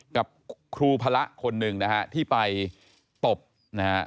กับครูพระคนหนึ่งนะฮะที่ไปตบนะฮะ